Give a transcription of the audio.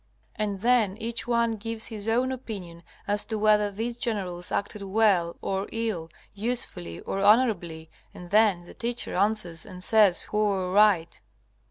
And then each one gives his own opinion as to whether these generals acted well or ill, usefully or honorably, and then the teacher answers and says who are right.